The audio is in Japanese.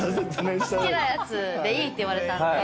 好きなやつでいいって言われたんで。